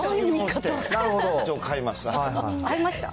買いました。